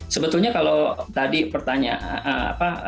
sebetulnya kalau tadi pertanyaan